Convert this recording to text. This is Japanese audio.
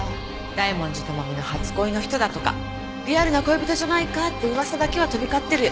大文字智美の初恋の人だとかリアルな恋人じゃないかって噂だけは飛び交ってる。